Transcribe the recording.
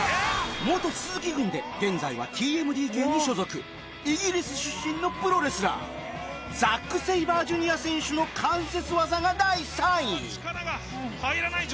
元鈴木軍で現在は ＴＭＤＫ に所属イギリス出身のプロレスラーザック・セイバー Ｊｒ． 選手の関節技が第３位力が入らない状態！